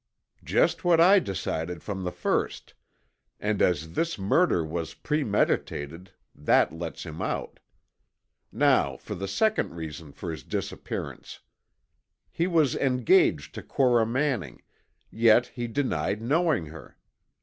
"Just what I decided from the first, and as this murder was premeditated, that let's him out. Now for the second reason for his disappearance. He was engaged to Cora Manning, yet he denied knowing her.